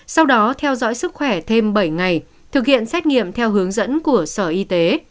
sau đó theo dõi sức khỏe thêm bảy ngày thực hiện xét nghiệm theo hướng dẫn của sở y tế